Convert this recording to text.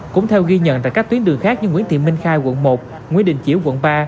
cũng theo ghi nhận tại các tuyến đường khác như nguyễn thị minh khai quận một nguyễn đình chiểu quận ba